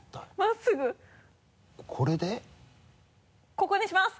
ここにします